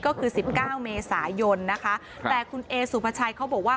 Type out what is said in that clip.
ก็คือสิบเก้าเมษายนนะคะแต่คุณเอสุภาชัยเขาบอกว่า